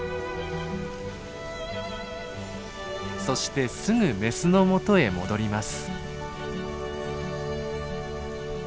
そしてすぐメスの元へ戻ります。